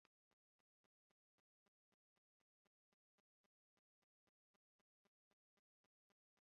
Li estis pioniro de postmarksista politika teorio.